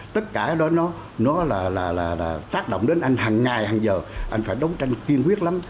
tất cả đó nó là tác động đến anh hàng ngày hàng giờ anh phải đấu tranh kiên quyết lắm